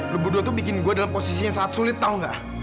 lo bodoh tuh bikin gue dalam posisi yang sangat sulit tau nggak